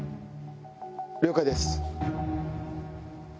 了解です。